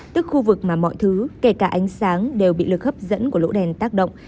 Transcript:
tức khu vực mà mọi thứ kể cả ánh sáng đều bị lực hấp dẫn của lỗ đèn tác động